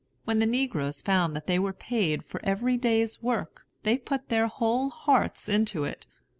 When the negroes found that they were paid for every day's work, they put their whole hearts into it.